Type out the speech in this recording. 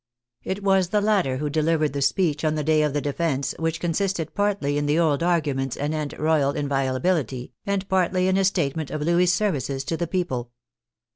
It was the latter who delivered the speech on the day of the defence, which consisted partly in the old arguments anent royal inviola bility and partly in a statement of Louis's services to the people.